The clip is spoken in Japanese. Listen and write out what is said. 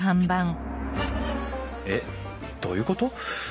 えっどういうこと？